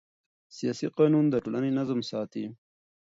سیاسي قانون د ټولنې نظم ساتي